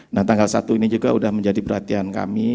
nah tanggal satu ini juga sudah menjadi perhatian kami